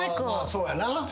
そうやな。